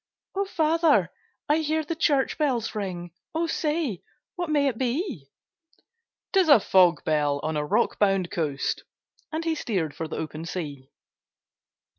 'O father! I hear the church bells ring, O say, what may it be?' ''Tis a fog bell, on a rock bound coast!' And he steer'd for the open sea.